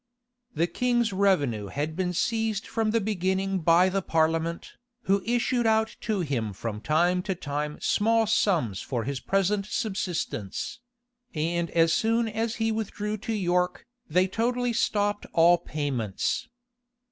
The king's revenue had been seized from the beginning by the parliament, who issued out to him from time to time small sums for his present subsistence; and as soon as he withdrew to York, they totally stopped all payments.